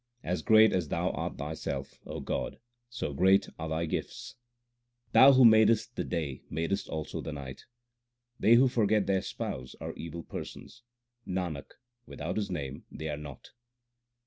As great as Thou art Thyself, O God, so great are Thy gifts. Thou who madest the day madest also the night They who forget their Spouse are evil persons : Nanak, without His name they are naught.